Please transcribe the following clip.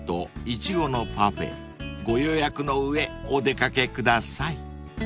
［ご予約の上お出掛けください］